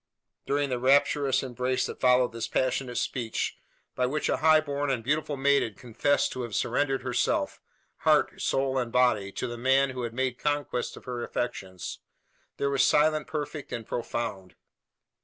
During the rapturous embrace that followed this passionate speech, by which a high born and beautiful maiden confessed to have surrendered herself heart, soul, and body to the man who had made conquest of her affections, there was silence perfect and profound.